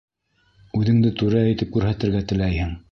Үҙеңде түрә итеп күрһәтергә теләйһең.